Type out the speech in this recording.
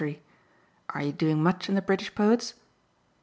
Are you doing much in the British Poets?